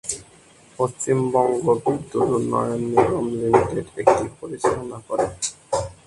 পশ্চিমবঙ্গ বিদ্যুৎ উন্নয়ন নিগম লিমিটেড এটি পরিচালনা করে।